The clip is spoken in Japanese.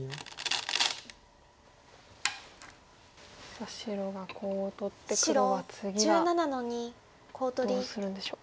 さあ白がコウを取って黒は次がどうするんでしょう。